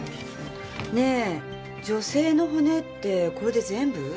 ねえ女性の骨ってこれで全部？